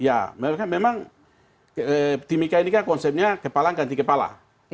ya memang timika ini kan konsepnya kepala ganti kepala